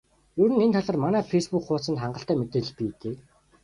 Ер нь энэ талаар манай фейсбүүк хуудсанд хангалттай мэдээлэл бий дээ.